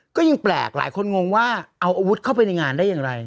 ก็ยังแปลกหลายคนงงว่าเอาอาวุธเข้าไปในงานได้อย่างไร